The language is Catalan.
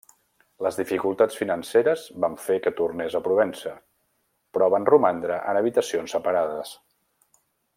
Les dificultats financeres van fer que tornés a Provença, però van romandre en habitacions separades.